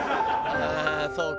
ああそう！